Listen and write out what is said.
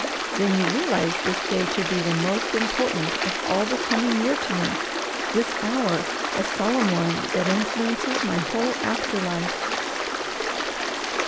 Then you realize this day to be the most important of all the coming year to me; this hour a solemn one that influences my whole after life.